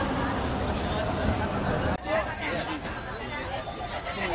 สวัสดีทุกคน